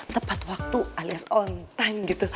tepat waktu alias on time gitu